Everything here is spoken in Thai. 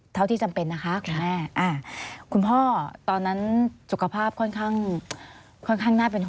เท่าที่จำเป็นนะคะคุณแม่